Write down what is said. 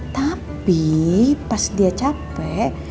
tapi pas dia capek